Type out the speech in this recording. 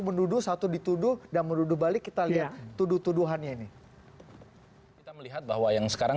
menuduh satu dituduh dan menuduh balik kita lihat tuduh tuduhannya ini kita melihat bahwa yang sekarang